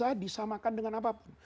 tidak bisa disamakan dengan apa pun